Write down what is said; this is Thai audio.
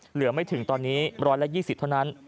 เหลือไม่ถึงตอนนี้๑๒๐เท่านั้น